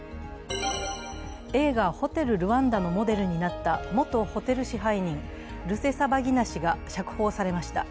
映画「ホテル・ルワンダ」のモデルになった元ホテル支配人ルセサバギナ氏が釈放されました。